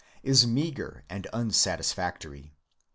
—is meagre and unsatis factory.